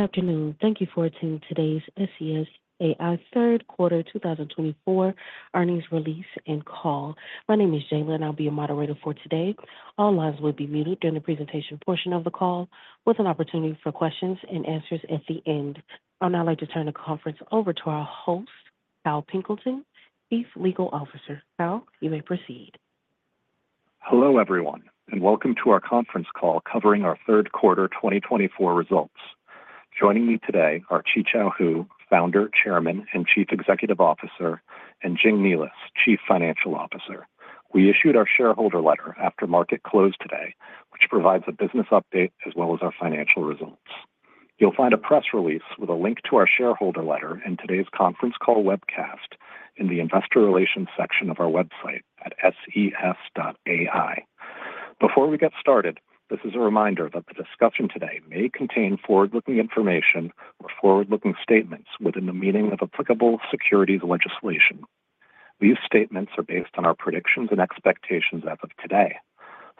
Good afternoon. Thank you for attending today's SES AI Third Quarter 2024 earnings release and call. My name is Jaylene. I'll be your moderator for today. All lines will be muted during the presentation portion of the call, with an opportunity for questions and answers at the end. I'd now like to turn the conference over to our host, Kyle Pilkington, Chief Legal Officer. Kyle, you may proceed. Hello, everyone, and welcome to our conference call covering our Third Quarter 2024 results. Joining me today are Qichao Hu, Founder, Chairman, and Chief Executive Officer, and Jing Nealis, Chief Financial Officer. We issued our shareholder letter after market closed today, which provides a business update as well as our financial results. You'll find a press release with a link to our shareholder letter and today's conference call webcast in the Investor Relations section of our website at ses.ai. Before we get started, this is a reminder that the discussion today may contain forward-looking information or forward-looking statements within the meaning of applicable securities legislation. These statements are based on our predictions and expectations as of today.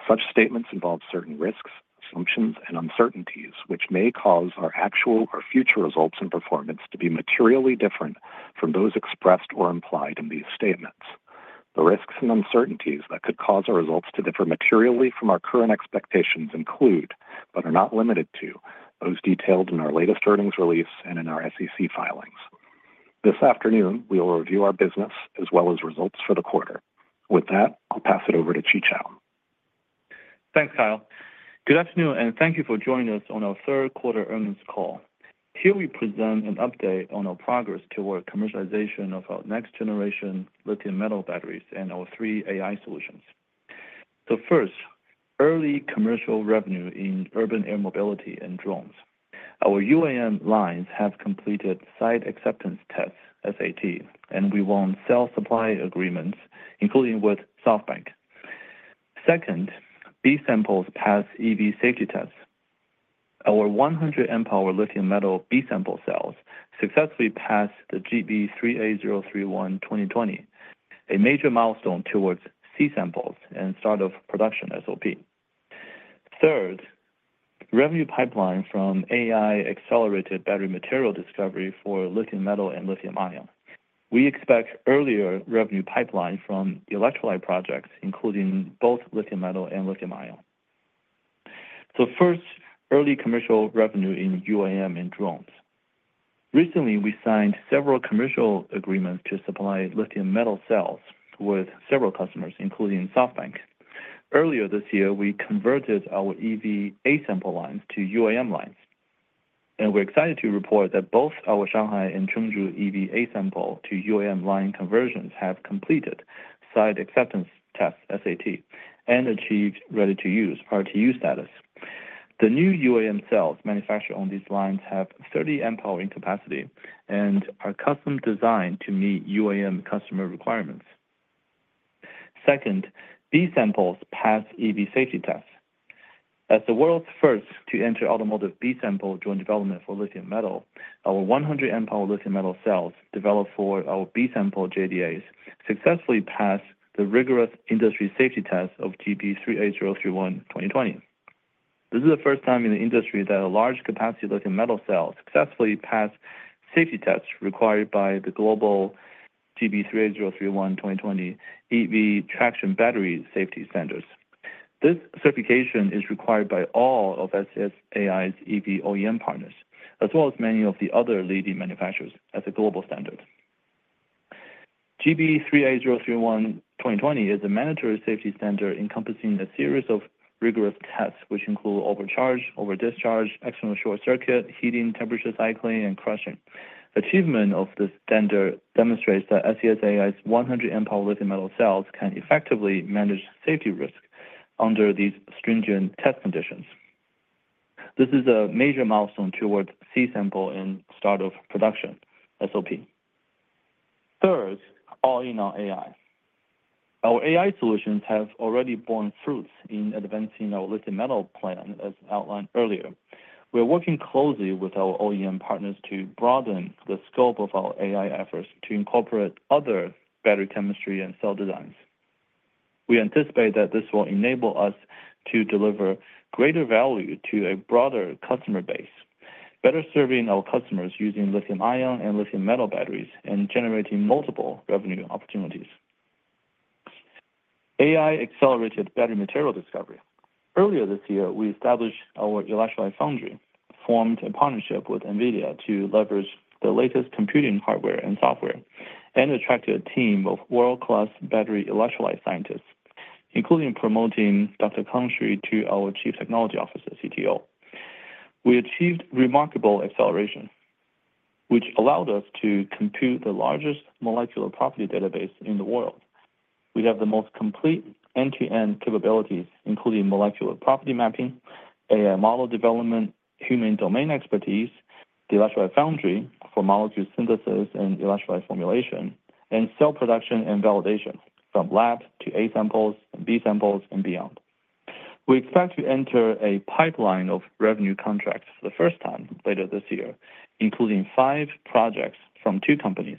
Such statements involve certain risks, assumptions, and uncertainties, which may cause our actual or future results and performance to be materially different from those expressed or implied in these statements. The risks and uncertainties that could cause our results to differ materially from our current expectations include, but are not limited to, those detailed in our latest earnings release and in our SEC filings. This afternoon, we will review our business as well as results for the quarter. With that, I'll pass it over to Qichao. Thanks, Kyle. Good afternoon, and thank you for joining us on our third quarter earnings call. Here we present an update on our progress toward commercialization of our next-generation lithium-metal batteries and our three AI solutions. First, early commercial revenue in urban air mobility and drones. Our UAM lines have completed site acceptance tests, SAT, and we won sales supply agreements, including with SoftBank. Second, B samples passed EV safety tests. Our 100 Ah lithium-metal B sample cells successfully passed the GB 38031-2020, a major milestone towards C samples and start of production SOP. Third, revenue pipeline from AI-accelerated battery material discovery for lithium metal and lithium-ion. We expect earlier revenue pipeline from electrolyte projects, including both lithium metal and lithium-ion. First, early commercial revenue in UAM and drones. Recently, we signed several commercial agreements to supply lithium metal cells with several customers, including SoftBank. Earlier this year, we converted our EV A sample lines to UAM lines. And we're excited to report that both our Shanghai and Chungju EV A sample to UAM line conversions have completed site acceptance tests, SAT, and achieved ready-to-use, RTU status. The new UAM cells manufactured on these lines have 30 Ah capacity and are custom-designed to meet UAM customer requirements. Second, B samples passed EV safety tests. As the world's first to enter automotive B sample joint development for lithium metal, our 100 Ah lithium metal cells developed for our B sample JDAs successfully passed the rigorous industry safety test of GB 38031-2020. This is the first time in the industry that a large-capacity lithium metal cell successfully passed safety tests required by the global GB 38031-2020 EV traction battery safety standards. This certification is required by all of SES AI's EV OEM partners, as well as many of the other leading manufacturers, as a global standard. GB 38031-2020 is a mandatory safety standard encompassing a series of rigorous tests, which include overcharge, overdischarge, external short circuit, heating, temperature cycling, and crushing. Achievement of this standard demonstrates that SES AI's 100 Ah lithium metal cells can effectively manage safety risk under these stringent test conditions. This is a major milestone towards C sample and start of production SOP. Third, All-in on AI. Our AI solutions have already borne fruits in advancing our lithium metal plan, as outlined earlier. We're working closely with our OEM partners to broaden the scope of our AI efforts to incorporate other battery chemistry and cell designs. We anticipate that this will enable us to deliver greater value to a broader customer base, better serving our customers using lithium-ion and lithium metal batteries and generating multiple revenue opportunities. AI-accelerated battery material discovery. Earlier this year, we established our Electrolyte Foundry, formed a partnership with NVIDIA to leverage the latest computing hardware and software, and attracted a team of world-class battery electrolyte scientists, including promoting Dr. Kang Xu to our Chief Technology Officer, CTO. We achieved remarkable acceleration, which allowed us to compute the largest molecular property database in the world. We have the most complete end-to-end capabilities, including molecular property mapping, AI model development, human domain expertise, the Electrolyte Foundry for molecule synthesis and electrolyte formulation, and cell production and validation from lab to A samples, B samples, and beyond. We expect to enter a pipeline of revenue contracts for the first time later this year, including five projects from two companies,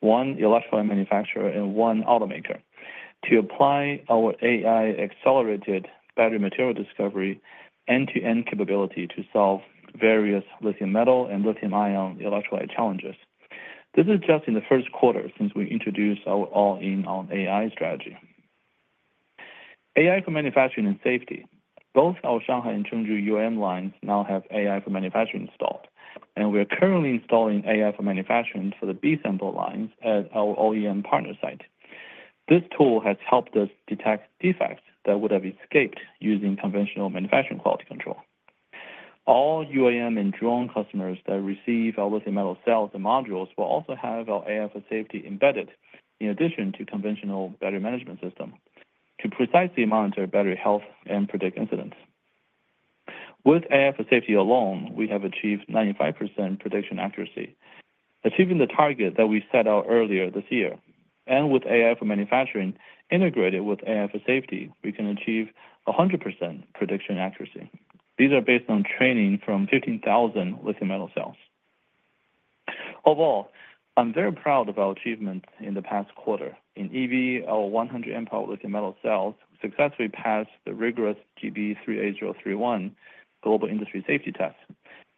one electrolyte manufacturer and one automaker, to apply our AI-accelerated battery material discovery end-to-end capability to solve various lithium metal and lithium-ion electrolyte challenges. This is just in the first quarter since we introduced our All-in on AI strategy. AI for Manufacturing and safety. Both our Shanghai and Chungju UAM lines now have AI for Manufacturing installed, and we're currently installing AI for Manufacturing for the B-Sample lines at our OEM partner site. This tool has helped us detect defects that would have escaped using conventional manufacturing quality control. All UAM and drone customers that receive our lithium metal cells and modules will also have our AI for Safety embedded in addition to a conventional battery management system to precisely monitor battery health and predict incidents. With AI for Safety alone, we have achieved 95% prediction accuracy, achieving the target that we set out earlier this year, and with AI for Manufacturing integrated with AI for Safety, we can achieve 100% prediction accuracy. These are based on training from 15,000 lithium metal cells. Overall, I'm very proud of our achievement in the past quarter. In EV, our 100 Ah lithium metal cells successfully passed the rigorous GB 38031 global industry safety test,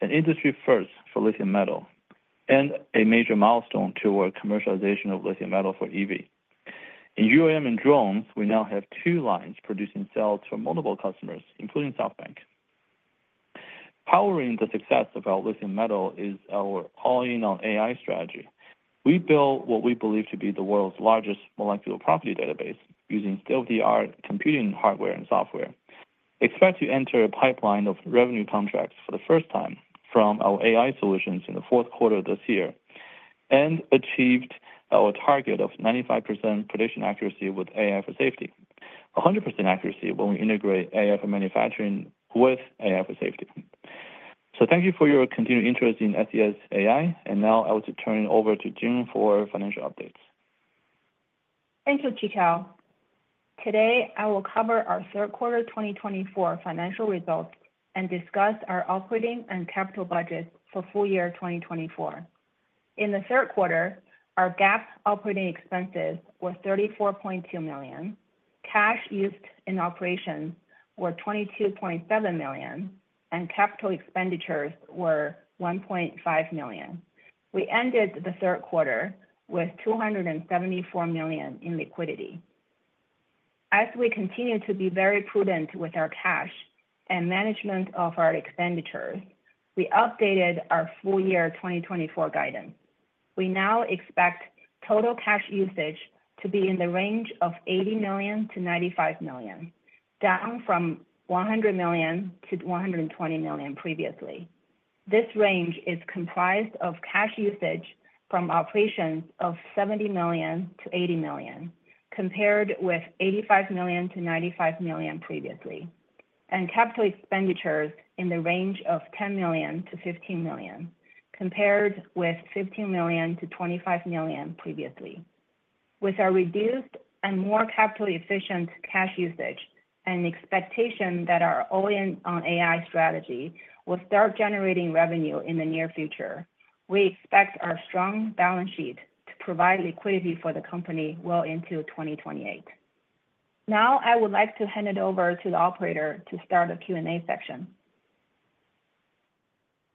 an industry first for lithium metal, and a major milestone toward commercialization of lithium metal for EV. In UAM and drones, we now have two lines producing cells for multiple customers, including SoftBank. Powering the success of our lithium metal is our All-in on AI strategy. We built what we believe to be the world's largest molecular property database using state-of-the-art computing hardware and software. Expect to enter a pipeline of revenue contracts for the first time from our AI solutions in the fourth quarter of this year and achieved our target of 95% prediction accuracy with AI for Safety, 100% accuracy when we integrate AI for Manufacturing with AI for Safety. So thank you for your continued interest in SES AI, and now I would like to turn it over to Jing for financial updates. Thank you, Qichao. Today, I will cover our third quarter 2024 financial results and discuss our operating and capital budgets for full year 2024. In the third quarter, our G&A operating expenses were $34.2 million, cash used in operations were $22.7 million, and capital expenditures were $1.5 million. We ended the third quarter with $274 million in liquidity. As we continue to be very prudent with our cash and management of our expenditures, we updated our full year 2024 guidance. We now expect total cash usage to be in the range of $80 million-$95 million, down from $100 million-$120 million previously. This range is comprised of cash usage from operations of $70 million-$80 million, compared with $85 million-$95 million previously, and capital expenditures in the range of $10 million-$15 million, compared with $15 million-$25 million previously. With our reduced and more capital-efficient cash usage and expectation that our All-in on AI strategy will start generating revenue in the near future, we expect our strong balance sheet to provide liquidity for the company well into 2028. Now, I would like to hand it over to the operator to start a Q&A session.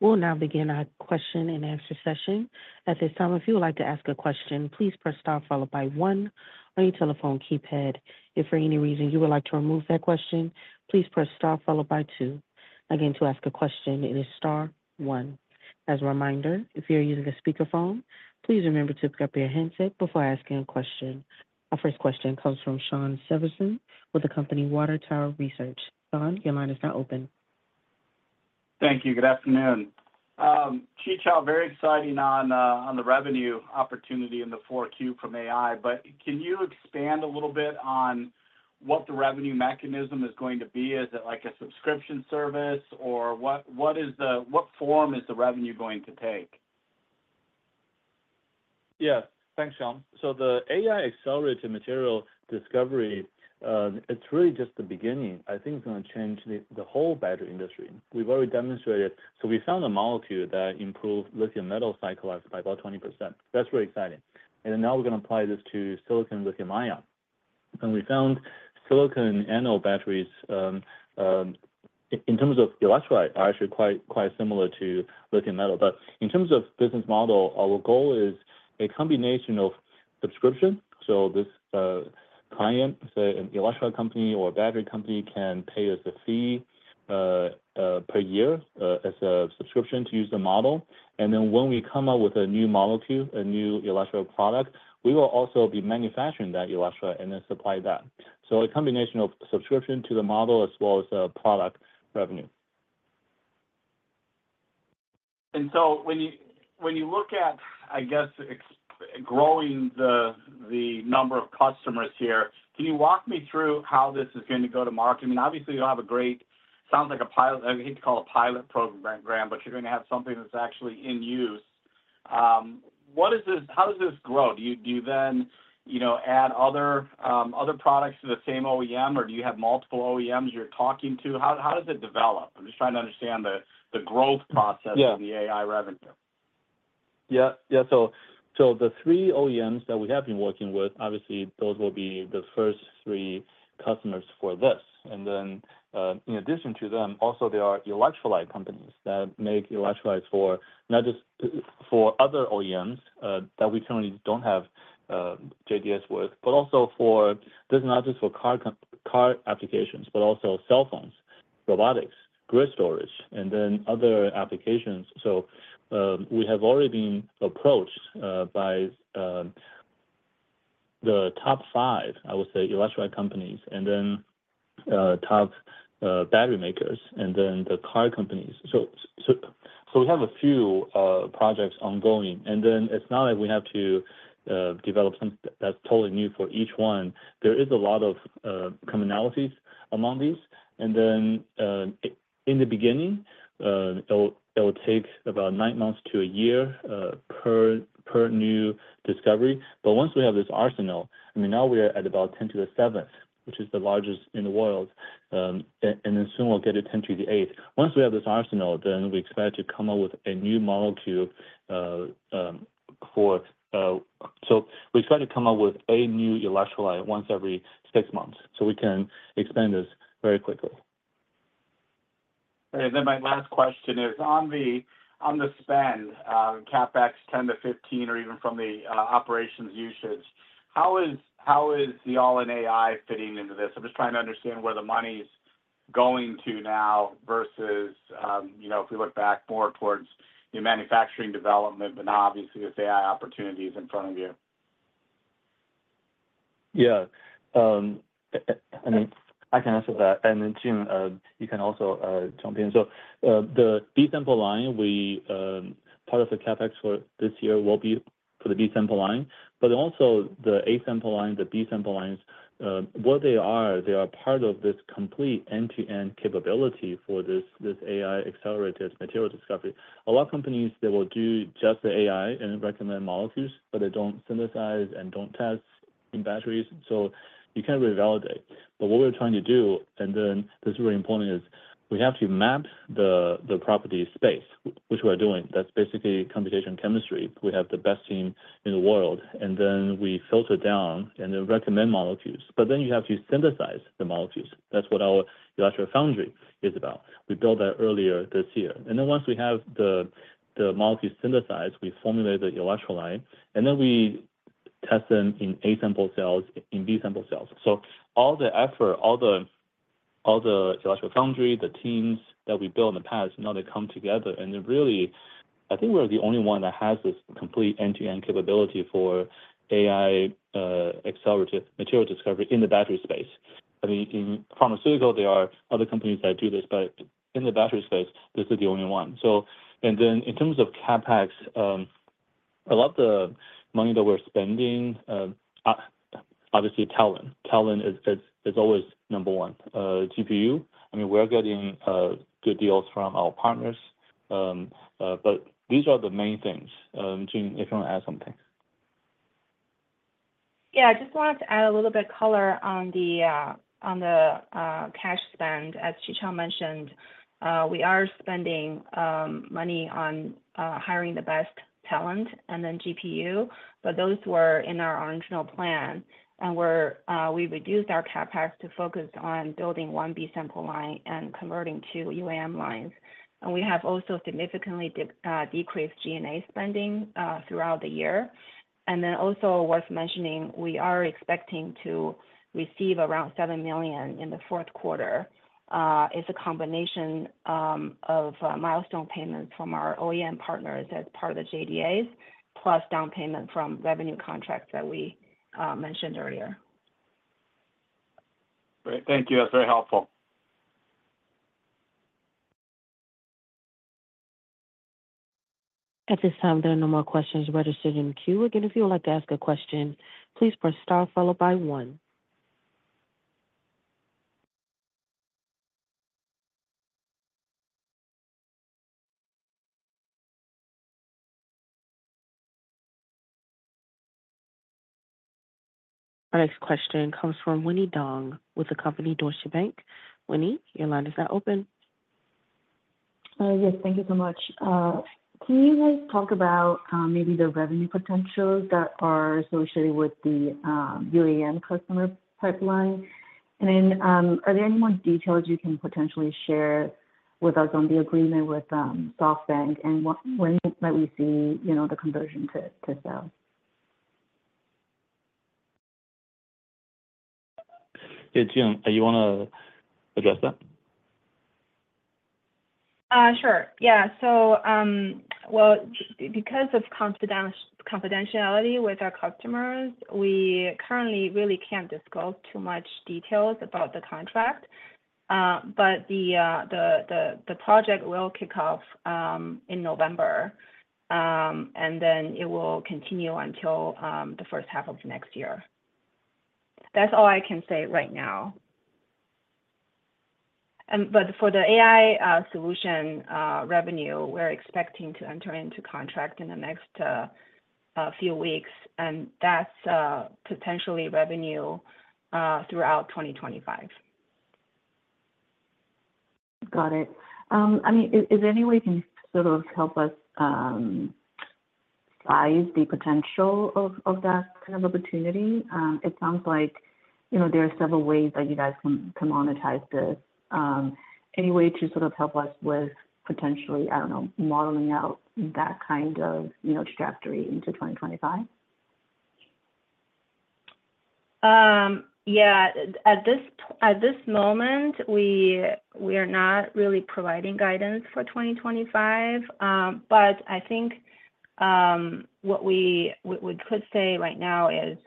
We'll now begin our question and answer session. At this time, if you would like to ask a question, please press star followed by one on your telephone keypad. If for any reason you would like to remove that question, please press star followed by two. Again, to ask a question, it is star, one. As a reminder, if you're using a speakerphone, please remember to pick up your handset before asking a question. Our first question comes from Shawn Severson with the company Water Tower Research. Shawn, your line is now open. Thank you. Good afternoon. Qichao, very exciting on the revenue opportunity in the 4Q from AI, but can you expand a little bit on what the revenue mechanism is going to be? Is it like a subscription service, or what form is the revenue going to take? Yeah, thanks, Shawn. So the AI-accelerated material discovery, it's really just the beginning. I think it's going to change the whole battery industry. We've already demonstrated. So we found a molecule that improved lithium metal cycle life by about 20%. That's really exciting. And now we're going to apply this to silicon lithium-ion. And we found silicon anode batteries, in terms of electrolyte, are actually quite similar to lithium metal. But in terms of business model, our goal is a combination of subscription. So this client, say, an electrolyte company or a battery company, can pay us a fee per year as a subscription to use the model. And then when we come up with a new molecule, a new electrolyte product, we will also be manufacturing that electrolyte and then supply that. So a combination of subscription to the model as well as product revenue. And so when you look at, I guess, growing the number of customers here, can you walk me through how this is going to go to market? I mean, obviously, you'll have a great. Sounds like a pilot. I hate to call it a pilot program, granted, but you're going to have something that's actually in use. How does this grow? Do you then add other products to the same OEM, or do you have multiple OEMs you're talking to? How does it develop? I'm just trying to understand the growth process of the AI revenue. Yeah, yeah. So the three OEMs that we have been working with, obviously, those will be the first three customers for this. And then in addition to them, also there are electrolyte companies that make electrolytes for not just other OEMs that we currently don't have JDAs with, but also for—this is not just for car applications, but also cell phones, robotics, grid storage, and then other applications. So we have already been approached by the top five, I would say, electrolyte companies, and then top battery makers, and then the car companies. So we have a few projects ongoing. And then it's not like we have to develop something that's totally new for each one. There is a lot of commonalities among these. And then in the beginning, it will take about nine months to a year per new discovery. But once we have this arsenal, I mean, now we're at about 10 to the seventh, which is the largest in the world, and then soon we'll get to 10 to the eighth. Once we have this arsenal, then we expect to come up with a new electrolyte once every six months, so we can expand this very quickly. Okay. Then my last question is, on the spend, CapEx 10 to 15, or even from the operations usage, how is the All-in AI fitting into this? I'm just trying to understand where the money's going to now versus if we look back more towards the manufacturing development, but now obviously with AI opportunities in front of you. Yeah. I mean, I can answer that, and then Jing, you can also jump in, so the B-Sample line, part of the CapEx for this year will be for the B-Sample line, but also the A-Sample line, the B-Sample lines, what they are, they are part of this complete end-to-end capability for this AI-accelerated material discovery. A lot of companies, they will do just the AI and recommend molecules, but they don't synthesize and don't test in batteries, so you can't revalidate. But what we're trying to do, and then this is really important, is we have to map the property space, which we're doing. That's basically computational chemistry. We have the best team in the world, and then we filter down and then recommend molecules, but then you have to synthesize the molecules. That's what our Electrolyte Foundry is about. We built that earlier this year. Then once we have the molecules synthesized, we formulate the electrolyte, and then we test them in A-Sample cells, in B-Sample cells. All the effort, all the Electrolyte Foundry, the teams that we built in the past, now they come together. Really, I think we're the only one that has this complete end-to-end capability for AI-accelerated material discovery in the battery space. I mean, in pharmaceutical, there are other companies that do this, but in the battery space, this is the only one. Then in terms of CapEx, a lot of the money that we're spending, obviously, talent. Talent is always number one. GPU, I mean, we're getting good deals from our partners. But these are the main things. Jing, if you want to add something. Yeah, I just wanted to add a little bit of color on the cash spend. As Qichao mentioned, we are spending money on hiring the best talent and then GPU, but those were in our original plan. And we reduced our CapEx to focus on building one B-Sample line and converting to UAM lines. And we have also significantly decreased G&A spending throughout the year. And then also worth mentioning, we are expecting to receive around $7 million in the fourth quarter. It's a combination of milestone payments from our OEM partners as part of the JDAs, plus down payment from revenue contracts that we mentioned earlier. Great. Thank you. That's very helpful. At this time, there are no more questions registered in queue. Again, if you would like to ask a question, please press star followed by one. Our next question comes from Winnie Dong with the company Deutsche Bank. Winnie, your line is now open. Yes, thank you so much. Can you guys talk about maybe the revenue potentials that are associated with the UAM customer pipeline? And then are there any more details you can potentially share with us on the agreement with SoftBank, and when might we see the conversion to sales? Yeah, Jing, you want to address that? Sure. Yeah. So well, because of confidentiality with our customers, we currently really can't disclose too much details about the contract. But the project will kick off in November, and then it will continue until the first half of next year. That's all I can say right now. But for the AI solution revenue, we're expecting to enter into contract in the next few weeks, and that's potentially revenue throughout 2025. Got it. I mean, is there any way you can sort of help us size the potential of that kind of opportunity? It sounds like there are several ways that you guys can monetize this. Any way to sort of help us with potentially, I don't know, modeling out that kind of trajectory into 2025? Yeah. At this moment, we are not really providing guidance for 2025. But I think what we could say right now is,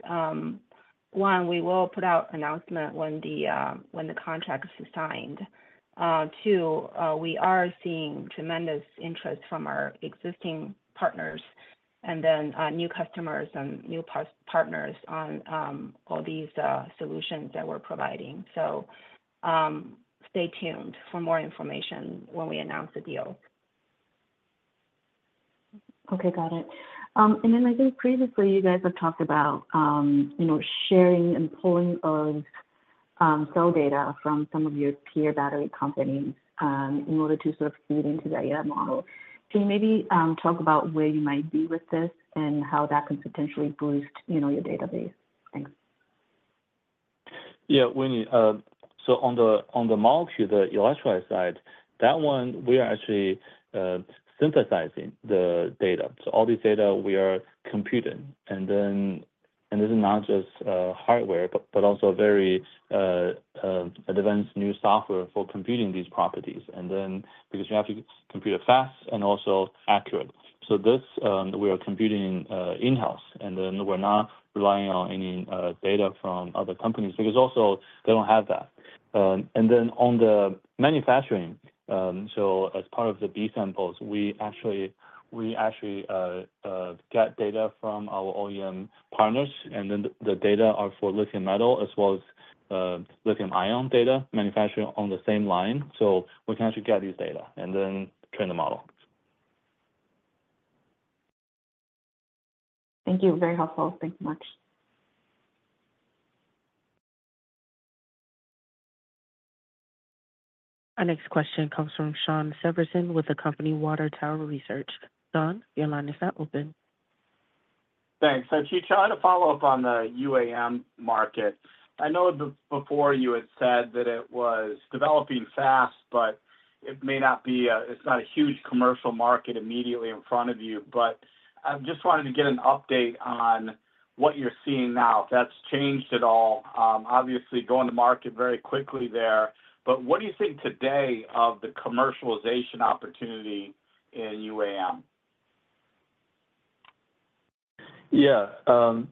one, we will put out an announcement when the contract is signed. Two, we are seeing tremendous interest from our existing partners and then new customers and new partners on all these solutions that we're providing. So stay tuned for more information when we announce the deal. Okay, got it. And then I think previously you guys have talked about sharing and pulling of cell data from some of your peer battery companies in order to sort of feed into the AI model. Can you maybe talk about where you might be with this and how that could potentially boost your database? Thanks. Yeah, Winnie, so on the molecule, the electrolyte side, that one, we are actually synthesizing the data. So all this data we are computing. And this is not just hardware, but also very advanced new software for computing these properties. And then because you have to compute it fast and also accurate. So this, we are computing in-house. And then we're not relying on any data from other companies because also they don't have that. And then on the manufacturing, so as part of the B-Samples, we actually get data from our OEM partners. And then the data are for lithium metal as well as lithium-ion data manufacturing on the same line. So we can actually get these data and then train the model. Thank you. Very helpful. Thanks so much. Our next question comes from Shawn Severson with the company Water Tower Research. Shawn, your line is now open. Thanks. So Qichao, to follow up on the UAM market, I know before you had said that it was developing fast, but it may not be—it's not a huge commercial market immediately in front of you. But I just wanted to get an update on what you're seeing now, if that's changed at all. Obviously, going to market very quickly there. But what do you think today of the commercialization opportunity in UAM? Yeah. So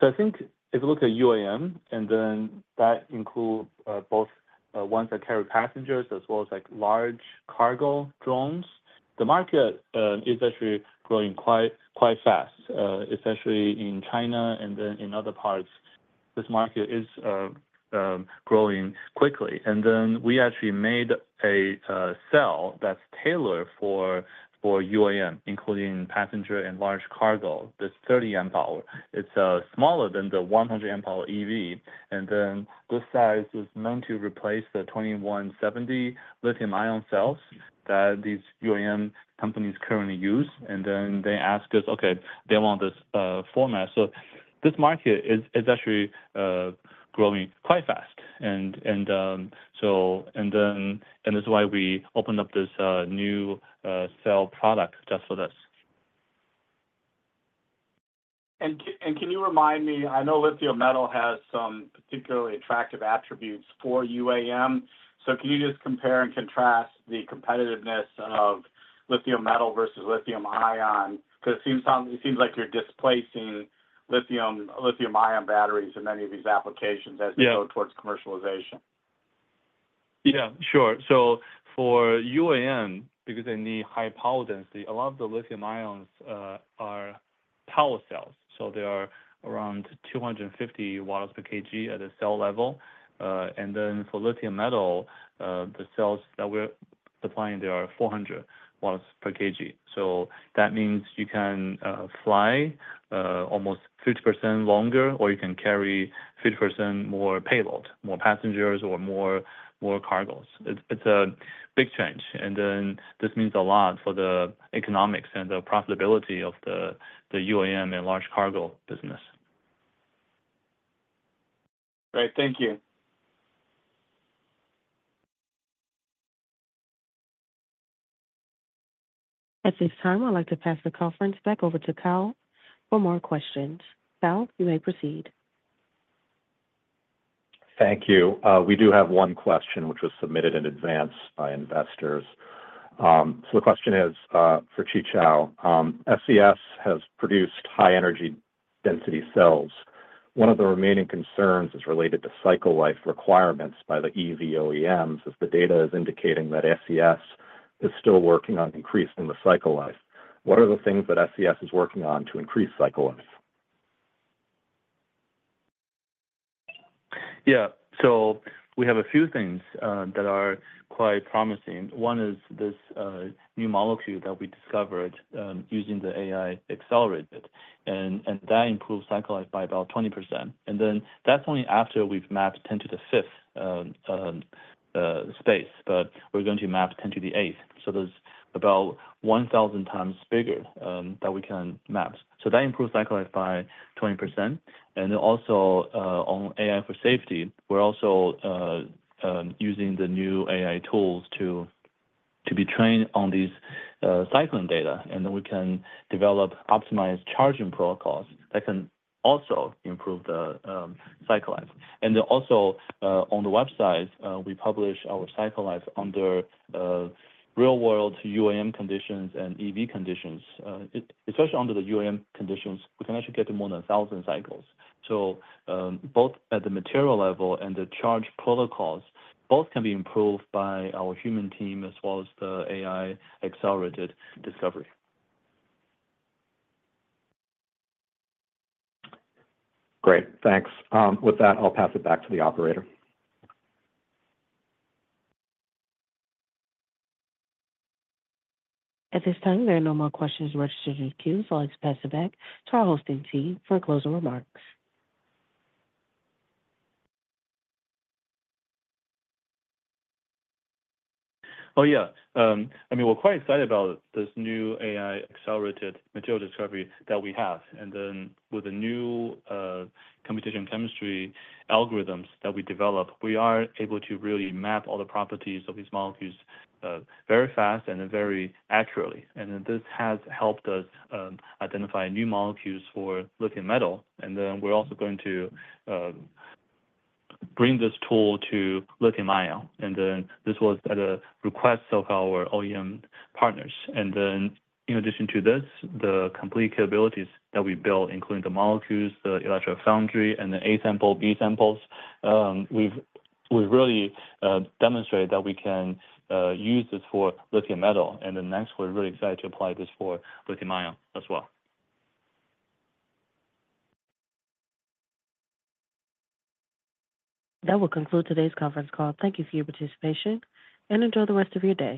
I think if you look at UAM, and then that includes both ones that carry passengers as well as large cargo drones, the market is actually growing quite fast, especially in China and then in other parts. This market is growing quickly. And then we actually made a cell that's tailored for UAM, including passenger and large cargo, the 30 Ah. It's smaller than the 100 Ah EV. And then this size is meant to replace the 2170 lithium-ion cells that these UAM companies currently use. And then they asked us, "Okay, they want this format." So this market is actually growing quite fast. And then that's why we opened up this new cell product just for this. And can you remind me? I know lithium metal has some particularly attractive attributes for UAM. So can you just compare and contrast the competitiveness of lithium metal versus lithium-ion? Because it seems like you're displacing lithium-ion batteries in many of these applications as you go towards commercialization. Yeah, sure. So for UAM, because they need high power density, a lot of the lithium ions are power cells. So they are around 250 W per kg at the cell level. And then for lithium metal, the cells that we're supplying, they are 400 W per kg. So that means you can fly almost 50% longer, or you can carry 50% more payload, more passengers, or more cargoes. It's a big change. And then this means a lot for the economics and the profitability of the UAM and large cargo business. Great. Thank you. At this time, I'd like to pass the conference back over to Kyle for more questions. Kyle, you may proceed. Thank you. We do have one question which was submitted in advance by investors. So the question is for Qichao. SES has produced high-energy density cells. One of the remaining concerns is related to cycle life requirements by the EV OEMs, as the data is indicating that SES is still working on increasing the cycle life. What are the things that SES is working on to increase cycle life? Yeah. So we have a few things that are quite promising. One is this new molecule that we discovered using the AI-accelerated. And that improves cycle life by about 20%. And then that's only after we've mapped 10 to the fifth space. But we're going to map 10 to the eighth. So that's about 1,000 times bigger than we can map. So that improves cycle life by 20%. And also on AI for Safety, we're also using the new AI tools to be trained on these cycling data. And then we can develop optimized charging protocols that can also improve the cycle life. And also on the website, we publish our cycle life under real-world UAM conditions and EV conditions. Especially under the UAM conditions, we can actually get to more than 1,000 cycles. So both at the material level and the charge protocols, both can be improved by our human team as well as the AI accelerated discovery. Great. Thanks. With that, I'll pass it back to the operator. At this time, there are no more questions registered in queue. So I'll just pass it back to our hosting team for closing remarks. Oh, yeah. I mean, we're quite excited about this new AI-accelerated material discovery that we have, and then with the new computational chemistry algorithms that we developed, we are able to really map all the properties of these molecules very fast and very accurately, and then this has helped us identify new molecules for lithium metal, and then we're also going to bring this tool to lithium ion, and then this was at the request of our OEM partners, and then in addition to this, the complete capabilities that we built, including the molecules, the Electrolyte Foundry, and the A-Sample, B-Samples, we've really demonstrated that we can use this for lithium metal, and then next, we're really excited to apply this for lithium ion as well. That will conclude today's conference call. Thank you for your participation and enjoy the rest of your day.